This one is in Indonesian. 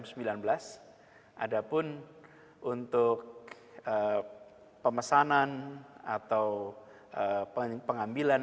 pukul sembilan belas ada pun untuk pemesanan atau pengambilan